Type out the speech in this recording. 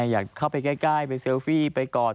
อยากเข้าไปใกล้ไปเซลฟี่ไปกอด